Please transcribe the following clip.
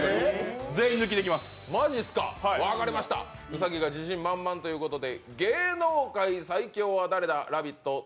兎が自信満々ということで。